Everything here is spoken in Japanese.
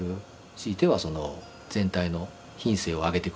ひいては全体の品性を上げてくれる。